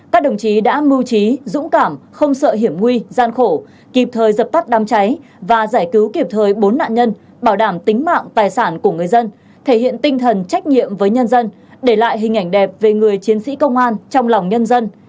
các đồng chí đã mưu trí dũng cảm không sợ hiểm nguy gian khổ kịp thời dập tắt đám cháy và giải cứu kịp thời bốn nạn nhân bảo đảm tính mạng tài sản của người dân thể hiện tinh thần trách nhiệm với nhân dân để lại hình ảnh đẹp về người chiến sĩ công an trong lòng nhân dân